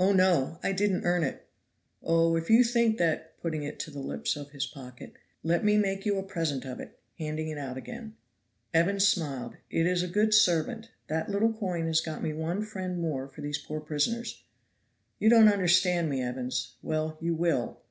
"Oh, no! I didn't earn it." "Oh, if you think that (putting it to the lips of his pocket), let me make you a present of it" (handing it out again). Evans smiled. "It is a good servant. That little coin has got me one friend more for these poor prisoners. You don't understand me, Evans. Well, you will.